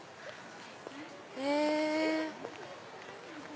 へぇ。